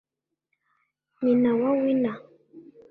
nyina wa Winner